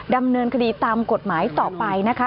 ดำเนินคดีตามกฎหมายต่อไปนะคะ